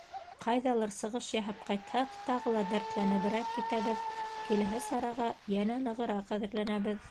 Ҡайҙалыр сығыш яһап ҡайтһаҡ, тағы ла дәртләнеберәк китәбеҙ, киләһе сараға йәнә нығыраҡ әҙерләнәбеҙ.